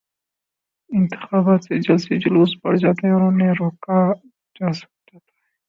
انتخابات میں جلسے جلوس بڑھ جاتے ہیں اور انہیں روا رکھا جاتا ہے۔